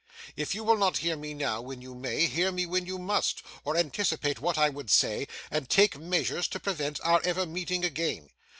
If you will not hear me now, when you may, hear me when you must, or anticipate what I would say, and take measures to prevent our ever meeting again.